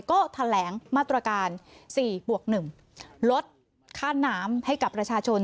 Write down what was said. ก็แถลงมาตรการ๔บวก๑ลดค่าน้ำให้กับประชาชน